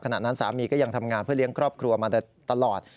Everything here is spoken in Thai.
ขณะนั้นสามีก็ยังทำงานเพื่อเลี้ยงครอบครัวมาตลอด